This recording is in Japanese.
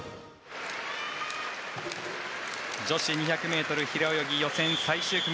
女子２００ｍ平泳ぎ予選最終組。